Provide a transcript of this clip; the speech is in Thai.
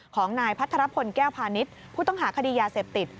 ของนายพัทรพลแก้วพาณิชย์ผู้ต้องหาคดียาเสพติด